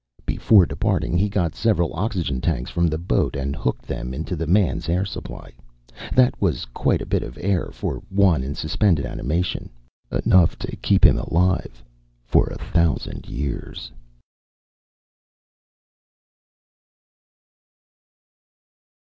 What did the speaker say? Before departing, he got several oxygen tanks from the boat and hooked them into the man's air supply. That was quite a bit of air for one in suspended animation. Enough to keep him alive for a thousand years.